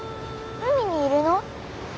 海にいるの？